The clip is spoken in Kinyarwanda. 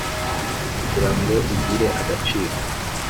Kugira ngo igire agaciro